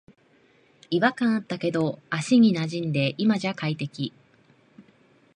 違和感あったけど足になじんで今じゃ快適